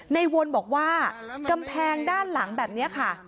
วนบอกว่ากำแพงด้านหลังแบบนี้ค่ะ